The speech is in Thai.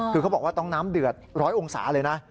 คือเขาบอกว่าต้องน้ำเดือดร้อยองศาเลยนะ